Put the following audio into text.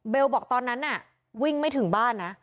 บอกตอนนั้นน่ะวิ่งไม่ถึงบ้านนะ